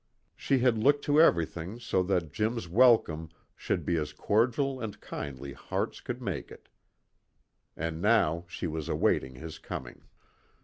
She had looked to everything so that Jim's welcome should be as cordial as kindly hearts could make it. And now she was awaiting his coming.